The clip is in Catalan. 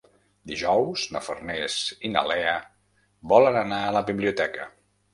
Dijous na Farners i na Lea volen anar a la biblioteca.